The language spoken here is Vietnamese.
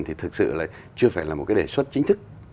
thì thực sự là chưa phải là một cái đề xuất chính thức